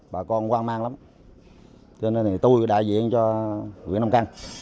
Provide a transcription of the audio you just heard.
bà con quan mang lắm cho nên tôi đại diện cho huyện nam căn